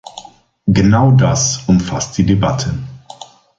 Genau das umfasst die Debatte.